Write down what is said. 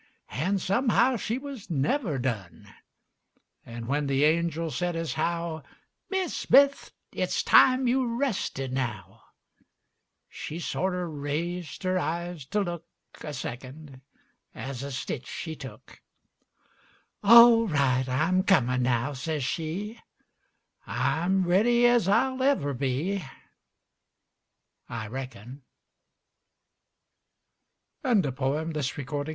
An' somehow she was never done; An' when the angel said, as how " Mis' Smith, it's time you rested now," She sorter raised her eyes to look A second, as a^ stitch she took; All right, I'm comin' now," says she, I'm ready as I'll ever be, I reckon," Albert Bigelow Paine.